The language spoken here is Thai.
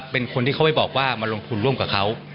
เป็นคนที่เขาไปบอกว่ามาลงทุนร่วมกับเขา